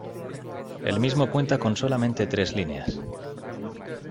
El mismo cuenta con solamente tres líneas.